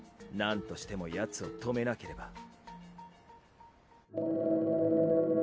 なんとしてもヤツを止めなければ。